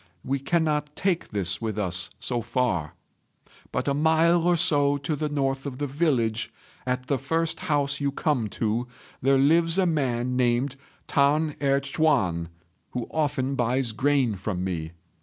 We cannot take this with us so far; but a mile or so to the north of the village, at the first house you come to, there lives a man named T'an Erh ch'üan, who often buys grain from me.